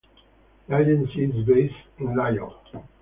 The agency is based in Lyon.